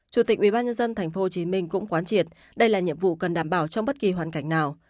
chủ tịch ubnd tp hcm cũng quán triệt đây là nhiệm vụ cần đảm bảo trong bất kỳ hoàn cảnh nào